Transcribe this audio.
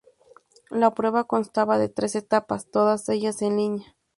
La prueba constaba de tres etapas, todas ellas en línea.